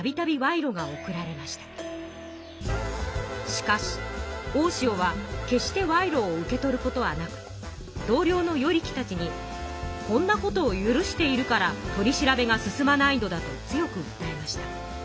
しかし大塩はけっして賄賂を受け取ることはなく同りょうの与力たちに「こんなことを許しているから取り調べが進まないのだ」と強くうったえました。